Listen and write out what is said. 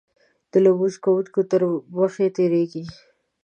د لمونځ کوونکو تر مخې تېرېږي.